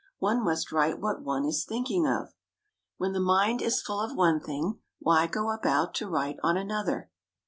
One must write what one is thinking of. When the mind is full of one thing, why go about to write on another?